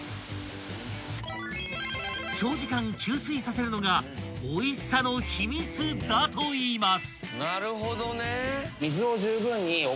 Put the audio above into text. ［長時間吸水させるのがおいしさの秘密だといいます］